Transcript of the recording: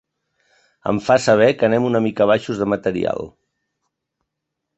Em fa saber que anem una mica baixos de material.